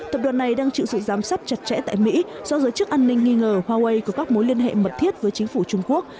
tập đoàn này đang chịu sự giám sát chặt chẽ tại mỹ do giới chức an ninh nghi ngờ huawei có các mối liên hệ mật thiết với chính phủ trung quốc